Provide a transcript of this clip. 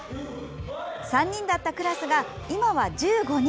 ３人だったクラスが今は１５人。